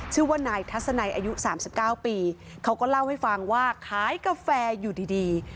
ชื่อว่านายทัศนัยอายุ๓๙ปีเขาก็เล่าให้ฟังว่าขายกาแฟอยู่ดีดี